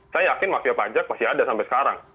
saya yakin mafia pajak masih ada sampai sekarang